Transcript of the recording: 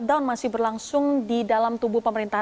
kemudian di dalam perjalanan kembali kembali ke negara